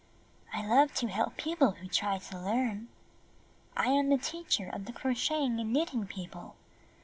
''I love to help people who try to learn. I am the teacher of the Crocheting and Knitting People.